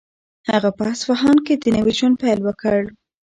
هغه په اصفهان کې د نوي ژوند پیل وکړ.